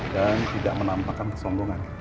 dan tidak menampakan kesombongan